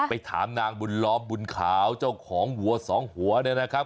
ไปถามนางบุญล้อมบุญขาวเจ้าของวัวสองหัวเนี่ยนะครับ